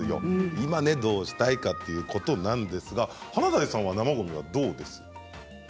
今、どうしたいかということなんですが華大さんは生ごみはどうですか？